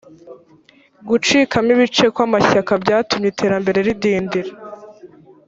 gucikamo ibice kw’amashyaka byatumye iterambere ridindira